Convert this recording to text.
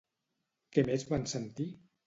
Què més van sentir?